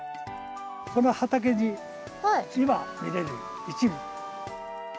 この畑に今見れる一部。